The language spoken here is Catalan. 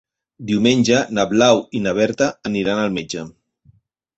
Diumenge na Blau i na Berta aniran al metge.